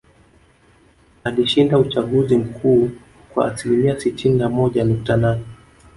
Alishinda uchaguzi mkuu kwa asilimia sitini na moja nukta nane